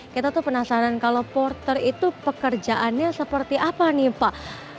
kita tuh penasaran kalau porter itu pekerjaannya seperti apa nih pak